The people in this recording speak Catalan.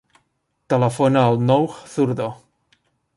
Telefona al Nouh Zurdo.